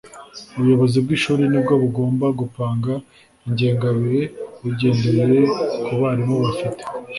Ubuyobozi bwishuri nibwo bugomboa gupanga ingengabihe bugendeye kubarimu bafite